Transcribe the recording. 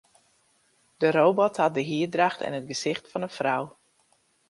De robot hat de hierdracht en it gesicht fan in frou.